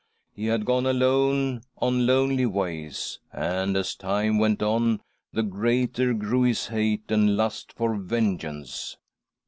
He had gone alone on lonely ways, and, as time went on, the greater grew his hate and lust for" vengeance.